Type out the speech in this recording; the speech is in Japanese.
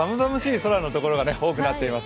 空のところが多くなっています。